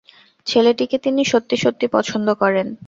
ছেলেটিকে তিনি সত্যি-সত্যি পছন্দ করেন।